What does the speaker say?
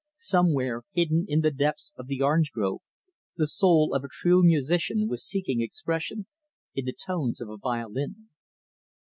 Somewhere, hidden in the depths of the orange grove, the soul of a true musician was seeking expression in the tones of a violin.